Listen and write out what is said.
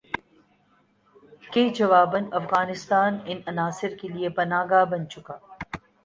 کہ جوابا افغانستان ان عناصر کے لیے پناہ گاہ بن چکا